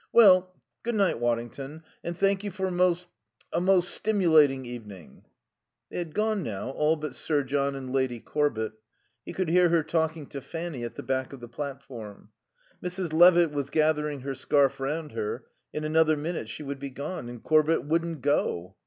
"Well.... Good night, Waddington, and thank you for a most a most stimulating evening." They had gone now, all but Sir John and Lady Corbett. (He could hear her talking to Fanny at the back of the platform.) Mrs. Levitt was gathering her scarf round her; in another minute she would be gone. And Corbett wouldn't go.